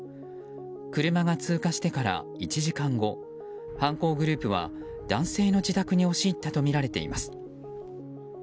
車が通過してから１時間後犯行グループは男性の自宅に押し入ったとみられています。